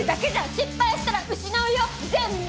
失敗したら失うよ全部！